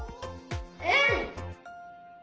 うん！